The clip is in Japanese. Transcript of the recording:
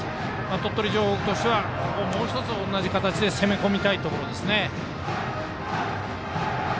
鳥取城北としてはもう１つ、同じ形として攻め込みたいところですね。